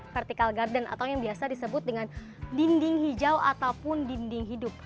vertical garden atau yang biasa disebut dengan dinding hijau ataupun dinding hidup